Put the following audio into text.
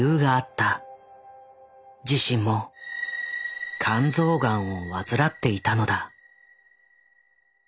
自身も肝臓ガンを患っていたのだ。